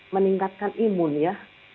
meningkatkan imun ya